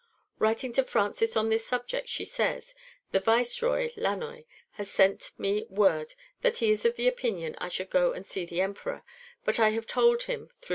Writing to Francis on this subject she says: "The Viceroy (Lannoy) has sent me word that he is of opinion I should go and see the Emperor, but I have told him through M.